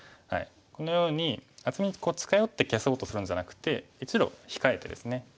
このように厚みに近寄って消そうとするんじゃなくて１路控えてですね。